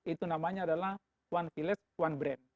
itu namanya adalah one village one brab